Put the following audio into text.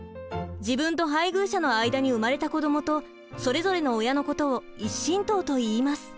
自分と配偶者の間に生まれた子どもとそれぞれの親のことを「１親等」と言います。